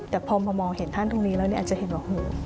แต่พอมามองเห็นท่านตรงนี้แล้วเนี่ยอาจจะเห็นว่าโห